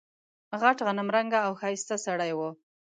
غټ غنم رنګه او ښایسته سړی و.